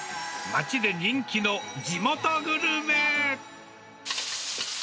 町で人気の地元グルメ。